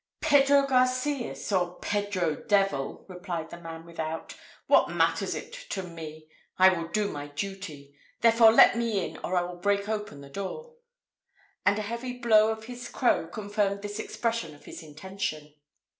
"Pedro Garcias, or Pedro Devil!" replied the man without, "what matters it to me? I will do my duty. Therefore, let me in, or I will break open the door;" and a heavy blow of his crow confirmed this expression of his intention.